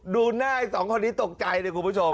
ดูหน้าไอ้สองคนนี้ตกใจเลยคุณผู้ชม